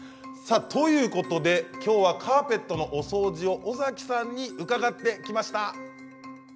ということで、きょうはカーペットのお掃除を尾崎さんに伺ってきました。